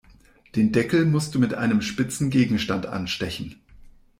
Den Deckel musst du mit einem spitzen Gegenstand anstechen.